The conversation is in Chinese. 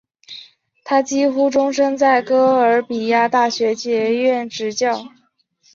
他几乎终生在哥伦比亚大学教育学院执教。